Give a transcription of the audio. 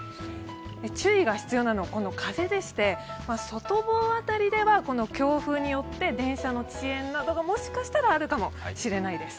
注意が必要なのは風でして外房辺りでは強風によって電車の遅延などが、もしかしたらあるかもしれないです。